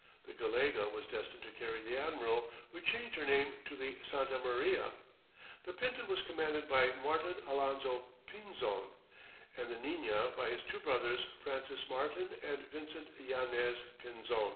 The Gallega was destined to carry the admiral, who changed her name to the Santa Maria. The Pinta was commanded by Martin Alonzo Pinzon, and the Nina by his two brothers, Francis Martin, and Vincent Yanez Pinzon.